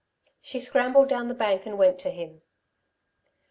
She scrambled down the bank and went to him.